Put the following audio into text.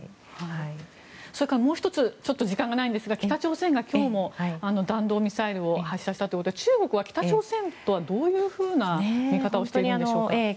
もう１つちょっと時間がないんですが北朝鮮が今日も弾道ミサイルを発射したということで中国は北朝鮮とはどういうふうな見方をしているんでしょうか？